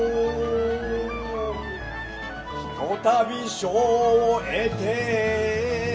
「ひとたび生を得て」